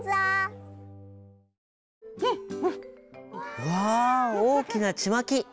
うわおおきなちまき。